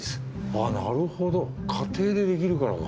あっなるほど家庭でできるからか。